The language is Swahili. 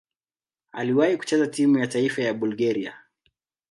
Aliwahi kucheza timu ya taifa ya Bulgaria.